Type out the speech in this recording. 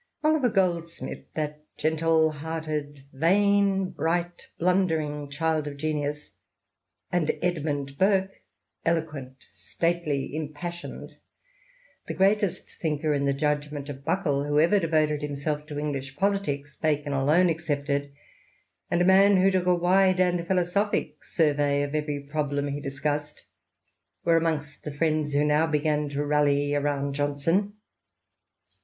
Oliver Goldsmith, that gentle hearted, vain, bright, blundenng~~T^ild of genius, and Kdmimd pnrlrPj eloquent, stately, impassioned — the greatest thinker, in the judgment of Buckle, who ever devoted himself to English politics. Bacon alone excepted, and a man who took a wide and philosophic survey of every problem he discussed — were amongst the friends who now began to rally around Johnson.